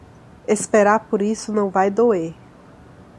Esperar por isso não vai doer.